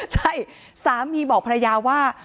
ใช่สามีบอกภรรยาว่า